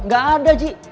gak ada ji